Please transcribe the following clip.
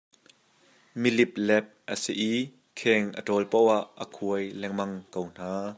Mi liplep a si i kheng a ṭawl poh ah a khuai lengmang ko hna.